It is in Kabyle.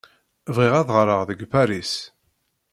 Bɣiɣ ad ɣreɣ deg Paris!